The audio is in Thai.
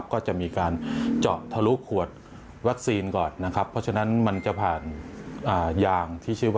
ก็จะมีการจอดทะลุขวดวัคซีนก่อน